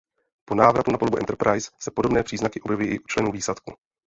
Po návratu na palubu "Enterprise" se podobné příznaky objevují i u členů výsadku.